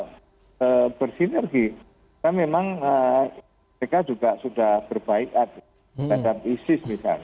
masukan masukan dari seluruh elemen masyarakat tentu kita tidak lanjuti karena memang kita tidak lantas bekerja sendiri di pilihan lembaga terkait ormas okm dan lain lain